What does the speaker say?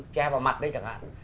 che vào mặt đấy chẳng hạn